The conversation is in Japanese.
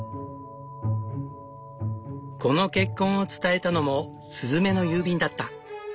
この結婚を伝えたのもスズメの郵便だった。